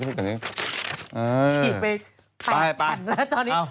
ไปกันแล้วตอนนี้